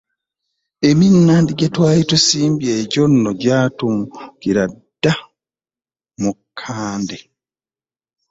Eminnandi gye twali tusimbye egyo nno gyadumuukira dda mu kkande.